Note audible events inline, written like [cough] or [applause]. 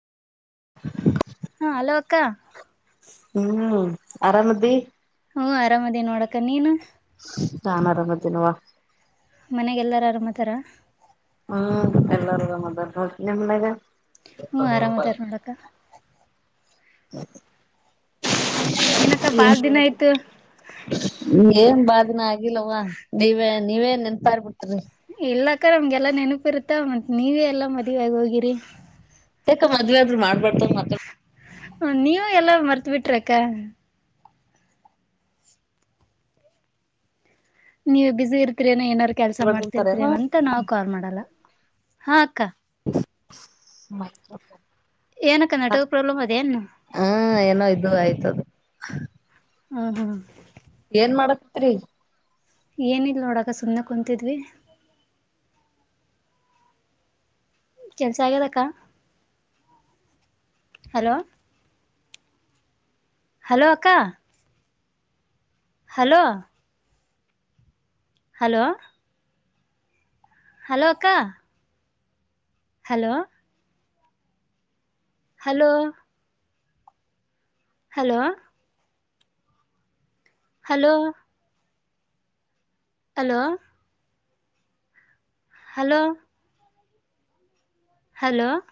[inaudible] ಹಾ ಹಲೋ ಅಕ್ಕಾ ಹ್ಮ್ ಅರಾಮಿದೀ ಹ್ಮ ಆರಾಮದನಿ ನೋಡಕಾ ನೀನು ಸೋಮವಾರ ಬರ್ತೀನವ್ವ ಮನ್ಯಾಗೆಲ್ಲರ ಆರಾಮದಾರಾ ಹ್ಮ್ ಎಲ್ಲಾರ ಆರಾಮ ಅದರ ನೋಡ ನಿಮ್ಮ ಮನ್ಯಾಗ. ಹ್ಞೂ [unintelligible] ಆರಾಮದಾರ ನೋಡಕ್ಕ ಏನಕ್ಕ ಬಾಳ ದಿನ ಆಯ್ತು ಏನ್ ಬಾಳ್ದಿನ ಆಗ ಆಗಿಲ್ಲವ ನೀವೆ ನೀವೇ ನೆನ್ಪಾರಬಿಟ್ಟಿರಿ. ಇಲ್ಲಾಕ್ಕ ನಮ್ಗೆಲ್ಲಾ ನೆನಪಿರತ್ತ ಮತ್ ನೀವೇ ಎಲ್ಲಾ ಮದ್ವೆ ಆಗ ಹೋಗಿರಿ. ಯಾಕ ಮದ್ವೆ ಆದ್ರ ಮಾಡ್ಬ್ಯದ್ ಮಾತ ನೀವು ಎಲ್ಲಾ ಮರ್ತ್ ಬಿಟ್ರಕ್ಕ. ನೀವು ಬಿಜಿ ಇರ್ತರಿ ಏನ ಏನಾರ ಕೆಲ್ಸ ಮಾತಾಡ್ಬಾರ್ದು ಅಂತಾರೇನು ಮಾಡ್ತಿರ್ತರೇನ ಅಂತ ನಾವ್ ಕಾಲ್ ಮಾಡಲ್ಲ ಹಾ ಅಕ್ಕ. ಮತ್ತ ಏನಕ್ಕ ನೆಟ್ವರ್ಕ್ ಪ್ರಾಬ್ಲಮ ಅದೇನ್. ಹಾ ಏನೋ ಇದು ಆಯ್ತದು. ಹ್ಮ ಹಾ ಏನ್ ಮಾಡಕತ್ರಿ. ಏನಿಲ್ಲ ನೋಡಕ್ಕ ಸುಮ್ನೆ ಕುಂತಿದ್ವಿ. ಕೆಲ್ಸ ಆಗ್ಯದಕ್ಕ ಹಲೋ. ಹಲೋ ಅಕ್ಕ. ಹಲೋ ಹಲೋ ಹಲೋ ಅಕ್ಕ. Hello hello hello hello hello hello hello